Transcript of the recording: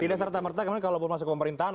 tidak serta merta kalau masuk pemerintahan